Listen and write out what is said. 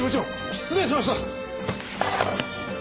失礼しました！